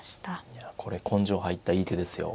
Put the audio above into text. いやこれ根性入ったいい手ですよ。